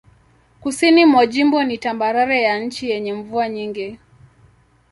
Kusini mwa jimbo ni tambarare ya chini yenye mvua nyingi.